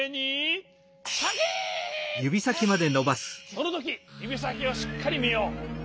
そのときゆびさきをしっかりみよう。